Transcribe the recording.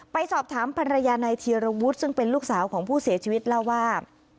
ไปสอบถามภรรยานายธีรวุฒิซึ่งเป็นลูกสาวของผู้เสียชีวิตเล่าว่า